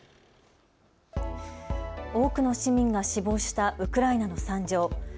多くの市民が死亡したウクライナの惨状。